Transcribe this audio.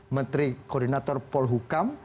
menteri koordinator paul hukam